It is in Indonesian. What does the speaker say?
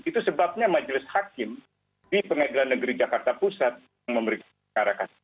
itu sebabnya majelis hakim di pengadilan negeri jakarta pusat yang memeriksarakan